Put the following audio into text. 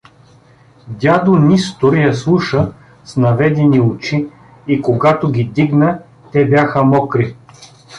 Дядо Нистор я слуша с наведени очи и когато ги дигна, те бяха мокри.